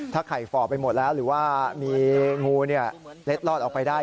ถ้าไข่ฝ่อไปหมดแล้วหรือว่ามีงูเล็ดลอดออกไปได้